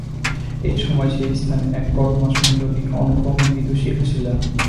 এই সময়ে সেই স্থানে এক পরমাসুন্দরী অনুপম বিদুষী আসিলেন।